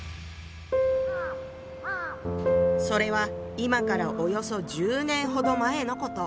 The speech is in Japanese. それは今からおよそ１０年ほど前のこと。